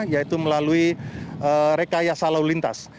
yaitu melalui rekayasa lalu lintas